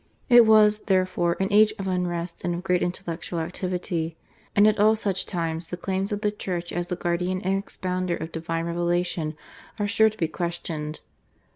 It was, therefore, an age of unrest and of great intellectual activity, and at all such times the claims of the Church as the guardian and expounder of Divine Revelation are sure to be questioned.